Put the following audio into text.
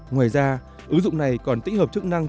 ngoài ra ứng dụng này còn tích hợp chức năng